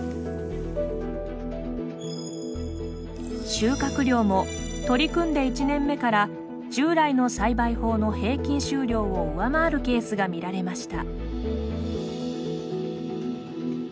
収穫量も、取り組んで１年目から従来の栽培法の平均収量を上回るケースがみられました。